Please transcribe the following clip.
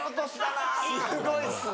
すごいっすね！